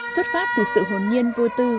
xuất phát từ sự hồn nhiên vô tư